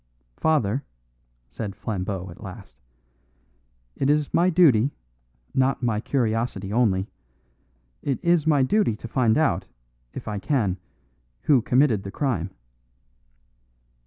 "Father," said Flambeau at last, "it is my duty, not my curiosity only it is my duty to find out, if I can, who committed the crime."